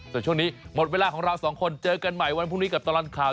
แต่ช่วงนี้หมดเวลาของเราสองคนเจอกันใหม่วันพรุ่งนี้กับตลอดข่าว